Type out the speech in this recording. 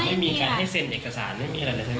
ไม่มีการให้เซ็นเอกสารไม่มีอะไรเลยทั้งนั้น